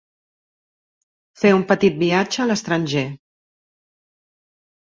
Fer un petit viatge a l'estranger.